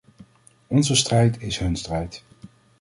Onze strijd is hun strijd.